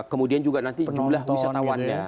kemudian juga nanti jumlah wisatawannya